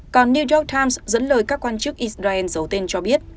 còn new york times dẫn lời các quan chức israel giấu tên cho biết